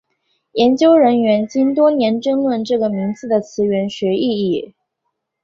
研究人员经多年争论这个名字的词源学意义。